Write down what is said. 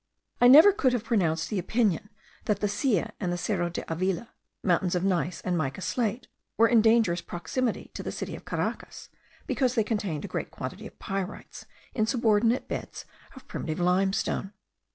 I never could have pronounced the opinion, that the Silla and the Cerro de Avila, mountains of gneiss and mica slate, were in dangerous proximity to the city of Caracas because they contained a great quantity of pyrites in subordinate beds of primitive limestone.